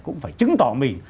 cũng phải chứng tỏ mình